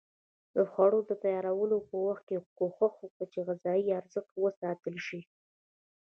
د خوړو د تیارولو په وخت کې کوښښ وکړئ چې غذایي ارزښت وساتل شي.